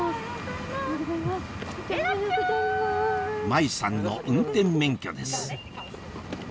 麻衣さんの運転免許です